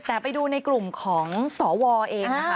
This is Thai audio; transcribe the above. แต่ไปดูในกลุ่มของสวเองนะคะ